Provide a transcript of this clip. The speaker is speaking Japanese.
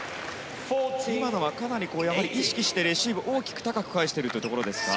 かなり意識してレシーブを大きく高く返しているところですか。